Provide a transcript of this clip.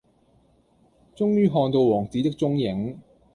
終於看到王子的踪影